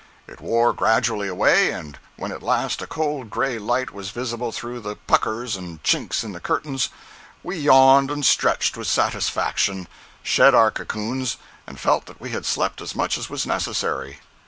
It wore gradually away, and when at last a cold gray light was visible through the puckers and chinks in the curtains, we yawned and stretched with satisfaction, shed our cocoons, and felt that we had slept as much as was necessary.